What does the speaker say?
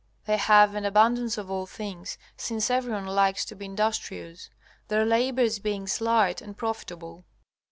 They have an abundance of all things, since everyone likes to be industrious, their labors being slight and profitable.